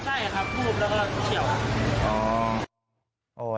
ใช่ครับวูบแล้วก็เฉียว